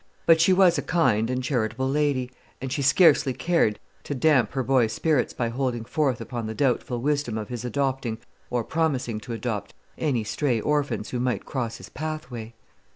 But she was a kind and charitable lady, and she scarcely cared to damp her boy's spirits by holding forth upon the doubtful wisdom of his adopting, or promising to adopt, any stray orphans who might cross his pathway.